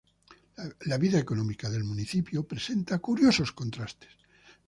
La vida económica del municipio presenta curiosos contrastes.